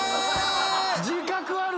自覚ある。